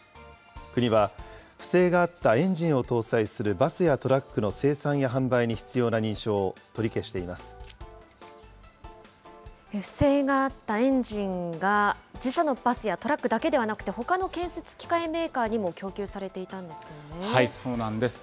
国は不正があったエンジンを搭載するバスやトラックの生産や販売不正があったエンジンが、自社のバスやトラックだけではなくて、ほかの建設機械メーカーにもそうなんです。